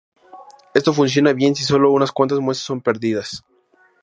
Esto funciona bien si sólo unas cuantas muestras son perdidas.